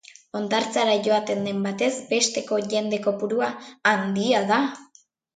Hondartzara joaten den batez besteko jende kopurua handia da.